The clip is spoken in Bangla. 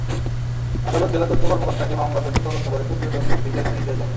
আদালত জেলা তথ্য কর্মকর্তাকে মামলা দুটি তদন্ত করে প্রতিবেদন দিতে নির্দেশ দেন।